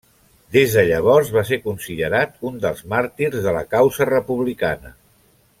Des de llavors va ser considerat un dels màrtirs de la causa republicana.